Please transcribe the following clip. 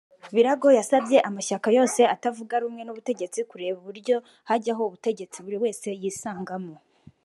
Biraago yasabye amashyaka yose atavuga rumwe n’ubutegetsi kureba uburyo hajyaho ubutegetsi buri wese yisangamo